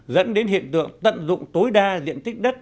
dẫn đến hiện tượng tận dụng tối đa diện tích đất